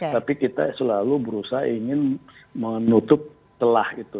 tapi kita selalu berusaha ingin menutup telah itu